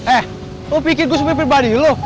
eh lo pikir gue supaya pribadi loh